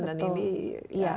dan ini ya kehidupan